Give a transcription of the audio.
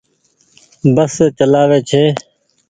بس چلآوي ڇي۔